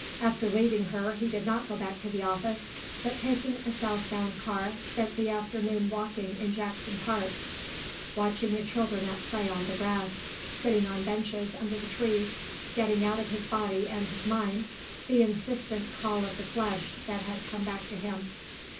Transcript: After leaving her he did not go back to the office, but taking a south bound car, spent the afternoon walking in Jackson Park, watching the children at play on the grass, sitting on benches under the trees, getting out of his body and his mind the insistent call of the flesh that had come back to him.